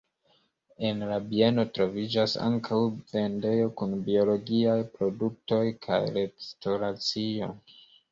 En la bieno troviĝas ankaŭ vendejo kun biologiaj produktoj kaj restoracio.